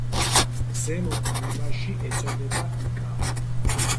ზემო დინებაში ეწოდება იკა.